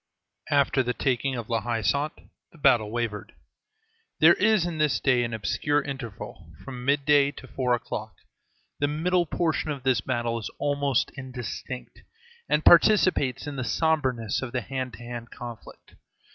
After the taking of La Haie Sainte the battle wavered. There is in this day an obscure interval, from midday to four o'clock; the middle portion of this battle is almost indistinct, and participates in the sombreness of the hand to hand conflict.